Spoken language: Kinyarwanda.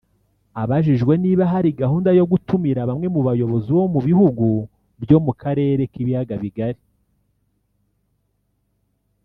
Abajijwe niba hari gahunda yo gutumira bamwe mu bayobozi bo mu bihugu byo mu karere k’ibiyaga bigari